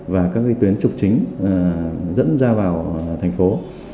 và các tuyến trục chính dẫn ra vào thành phố